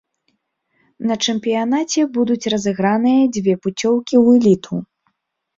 На чэмпіянаце будуць разыграныя дзве пуцёўкі ў эліту.